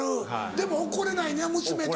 でも怒れないね娘とか。